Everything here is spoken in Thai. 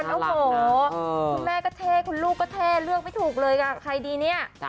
โอ้โหคุณแม่ก็เท่คุณลูกก็เท่เลือกไม่ถูกเลยค่ะใครดีเนี่ย